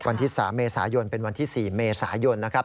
วันที่๓เมษายนเป็นวันที่๔เมษายนนะครับ